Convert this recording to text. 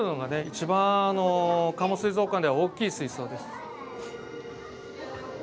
一番加茂水族館では大きい水槽です。